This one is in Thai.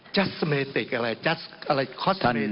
จัสเมติกอะไรจัสอะไรคอสเมติก